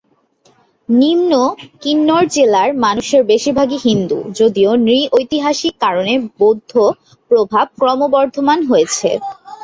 নিম্ন কিন্নর জেলার মানুষের বেশিরভাগই হিন্দু, যদিও নৃ-ঐতিহাসিক কারণে বৌদ্ধ প্রভাব ক্রমবর্ধমান হয়েছে।